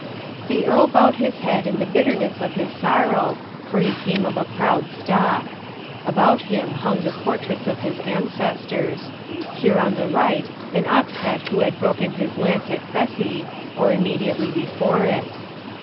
The earl bowed his head in the bitterness of his sorrow, for he came of a proud stock. About him hung the portraits of his ancestors. Here on the right an Oxhead who had broken his lance at Crecy, or immediately before it.